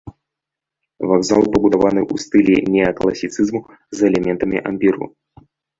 Вакзал пабудаваны ў стылі неакласіцызму з элементамі ампіру.